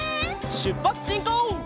しゅっぱつしんこう！